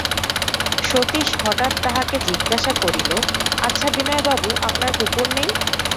সতীশ হঠাৎ তাহাকে জিজ্ঞাসা করিল, আচ্ছা বিনয়বাবু, আপনার কুকুর নেই?